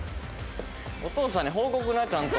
お父さんに報告なちゃんと。